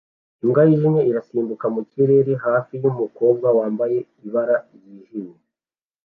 Imbwa yijimye irasimbuka mu kirere hafi yumukobwa wambaye ibara ryijimye